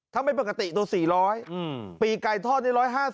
ถ้าไม่ปกติตัว๔๐๐ปีไก่ทอดนี่๑๕๐